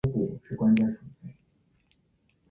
安徽歙县人。